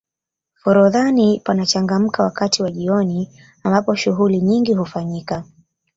forodhani panachangamka wakati wa jioni ambapo shughuli nyingi hufanyika